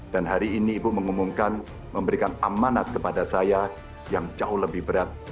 dan hari ini ibu mengumumkan memberikan amanat kepada saya yang jauh lebih berat